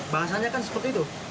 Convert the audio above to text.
bahasanya kan seperti itu